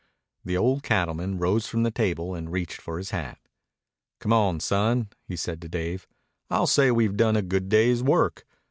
The old cattleman rose from the table and reached for his hat. "Come on, son," he said to Dave. "I'll say we've done a good day's work.